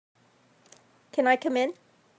Can I come in?